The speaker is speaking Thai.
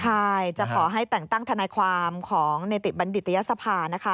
ใช่จะขอให้แต่งตั้งทนายความของเนติบัณฑิตยสภานะคะ